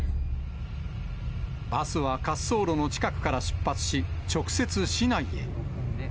バスは滑走路の近くから出発し、直接市内へ。